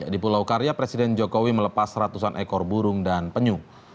di pulau karya presiden jokowi melepas ratusan ekor burung dan penyu